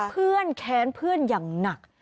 เพื่อนแค้นเพื่อนอย่างหนัก